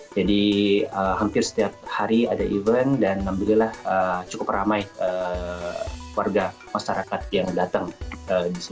jadi hampir setiap hari ada event dan alhamdulillah cukup ramai warga masyarakat yang datang di sini